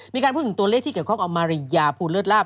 มีการพูดถึงตัวเลขที่เกี่ยวข้องเอามาริยาภูเลิศลาบ